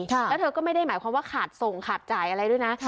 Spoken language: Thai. แล้วเธอก็ไม่ได้หมายความว่าขาดส่งขาดจ่ายอะไรด้วยนะ